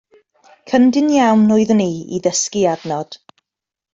Cyndyn iawn oeddwn i i ddysgu adnod.